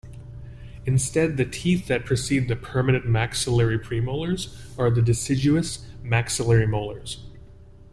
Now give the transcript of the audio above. Instead, the teeth that precede the permanent maxillary premolars are the deciduous maxillary molars.